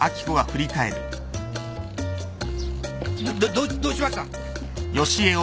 どどうしました？